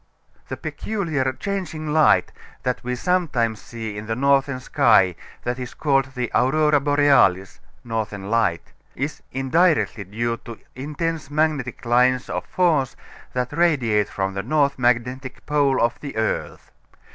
The peculiar changing light that we sometimes see in the northern sky, that is called the Aurora Borealis (Northern Light), is indirectly due to intense magnetic lines of force that radiate from the north magnetic pole of the earth.